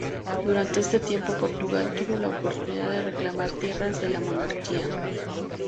Durante este tiempo Portugal tuvo la oportunidad de reclamar tierras de la monarquía.